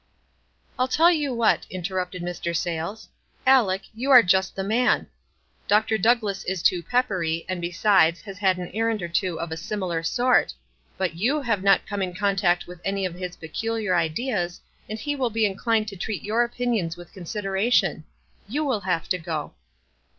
"I'll tell you what," interrupted Mr. Sayles. "Aleck, you are just the man. Dr. Douglass is too peppery, and besides, has had an errand or two of a similar sort. But you have not rome in contact with any of his peculiar ideas, 250 WISE AND OTHERWISE. and he will be inclined to treat your opinions with consideration. You will have to go."